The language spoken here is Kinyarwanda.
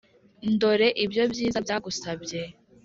ndore ibyo byiza byagusabye »